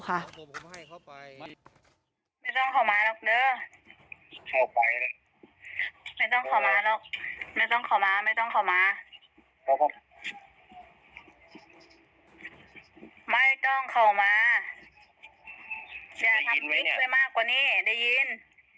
ดีหญิงไหมเนี่ย